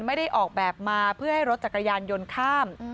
ไม่ได้ออกแบบมาเพื่อให้รถจักรยานยนต์ข้าม